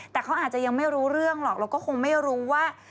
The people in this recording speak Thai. แต่เขาอาจจะยังไม่รู้เรื่องหรอกเราก็คงไม่รู้ว่า